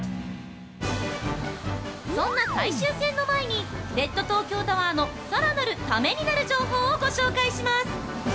そんな最終戦の前にレッドトーキョータワーのさらなるタメになる情報をご紹介します。